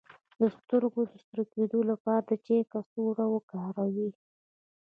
د سترګو د سره کیدو لپاره د چای کڅوړه وکاروئ